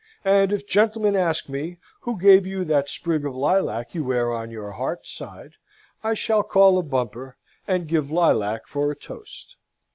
And if gentlemen ask me, 'Who gave you that sprig of lilac you wear on your heart side?' I shall call a bumper, and give Lilac for a toast.'"